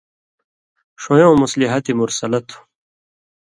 ݜویؤں مصلحتِ مُرسلہ تُھو